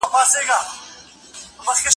د پېغلتوب له سرو څاڅکو لاندې د سترګکوهلو هڅه کوي.